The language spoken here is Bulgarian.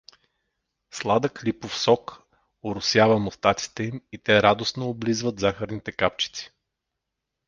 Сладък липов сок оросява мустаците им и те радостно облизват захарните капчици.